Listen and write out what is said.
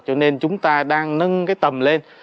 cho nên chúng ta đang nâng cái tầm lên